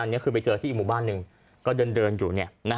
อันนี้คือไปเจอที่อีกหมู่บ้านหนึ่งก็เดินอยู่